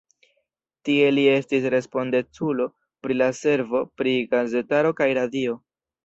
Tie li estis respondeculo pri la servo pri gazetaro kaj radio.